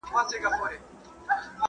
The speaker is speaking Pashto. منطقي فکر د بريا کلي ده.